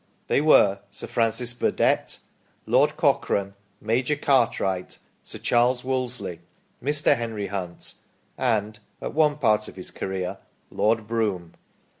They were, Sir Francis Burdett, Lord Cochrane, Major Cartwright, Sir Charles Wolseley, Mr. Henry Hunt, and at one part of his career Lord Brougham.